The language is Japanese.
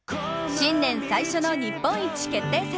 新年最初の日本一決定戦！